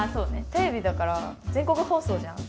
テレビだから全国放送じゃん。